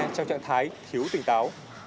trong trạng thái thiếu tỉnh táo